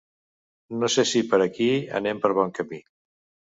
No sé si per aquí anem per bon camí.